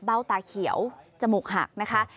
ตาเขียวจมูกหักนะคะ